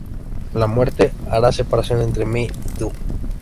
la muerte hará separación entre mí y ti.